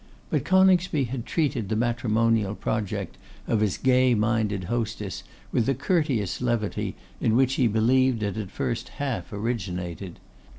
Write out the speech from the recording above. But Coningsby had treated the matrimonial project of his gay minded hostess with the courteous levity in which he believed it had first half originated.